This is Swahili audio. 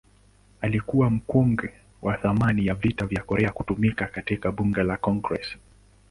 Alikuwa mkongwe wa zamani wa Vita vya Korea kutumikia katika Bunge la Congress.